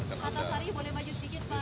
pak antasari boleh maju sedikit pak